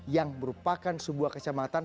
yang merupakan sebuah kecamatan